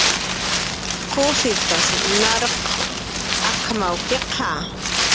"¿Qusitas narquq ak""mawkiqa?"